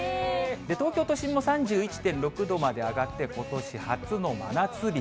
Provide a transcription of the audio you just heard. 東京都心も３１．６度まで上がって、ことし初の真夏日。